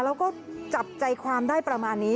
แล้วก็จับใจความได้ประมาณนี้